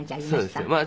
そうですね。